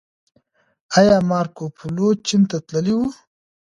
ايا مارکوپولو چين ته تللی و؟